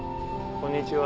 こんにちは。